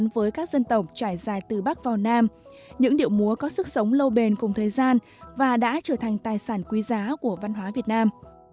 và đã trở thành tài sản quý giá của văn hóa việt nam